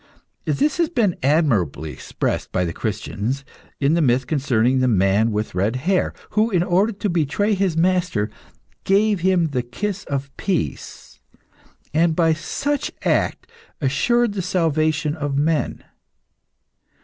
This has been admirably expressed by the Christians, in the myth concerning the man with red hair, who, in order to betray his master, gave him the kiss of peace, and by such act assured the salvation of men.